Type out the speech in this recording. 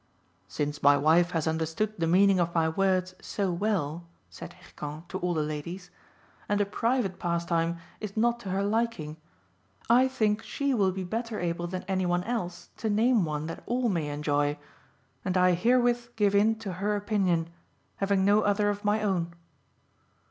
"Since my wife has understood the meaning of my words so well," said Hircan to all the ladies, "and a private pastime is not to her liking, I think she will be better able than any one else to name one that all may enjoy; and I herewith give in to her opinion, having no other of my own."